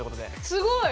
すごい！